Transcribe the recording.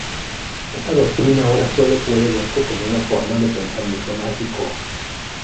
Esta doctrina ahora sólo puede verse como una forma de pensamiento mágico.